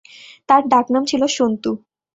তার ডাকনাম ছিল সন্তু।